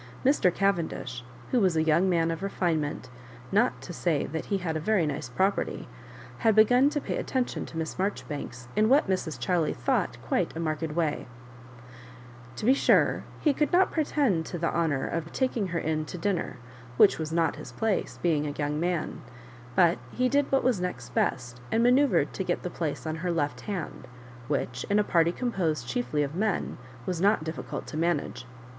Mr. Caven dish, who was a young man of refinement, ncrt to say that he had a very nice property, had begun to pay attention to Miss Marjoribanks in what Mrs. Chiley thought quite a marked way, To be sure, he could not pretend to the honour of taking her in to dinner, which was not his place, being a young man ; but he did what was next best, and manoeuvred to get the place on her left hand, which, m a party composed chiefly of men, was not difficult to manage.